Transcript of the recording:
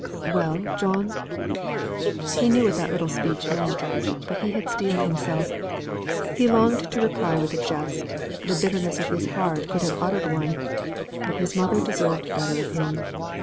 "Well, John?" He knew what that little speech meant. But he had steeled himself. He longed to reply with a jest; the bitterness of his heart could have uttered one, but his mother deserved better of him.